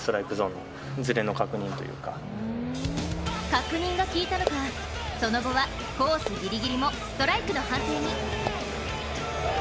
確認が効いたのか、その後はコースギリギリもストライクの判定に。